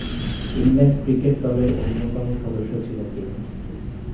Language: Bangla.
ইংল্যান্ড ক্রিকেট দলের অন্যতম সদস্য ছিলেন তিনি।